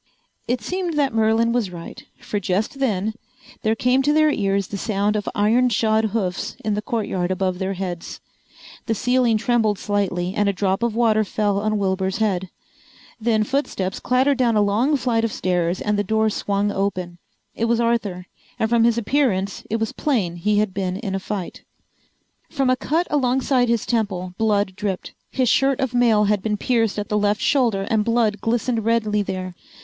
It seemed that Merlin was right, for just then there came to their ears the sound of iron shod hoofs in the courtyard above their heads. The ceiling trembled slightly and a drop of water fell on Wilbur's head. Then footsteps clattered down a long flight of stairs and the door swung open. It was Arthur, and from his appearance it was plain he had been in a fight. From a cut alongside his temple blood dripped. His shirt of mail had been pierced at the left shoulder and blood glistened redly there.